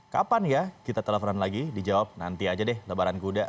kapan ya kita telepon lagi dijawab nanti aja deh lebaran kuda